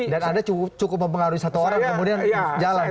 dan ada cukup mempengaruhi satu orang kemudian jalan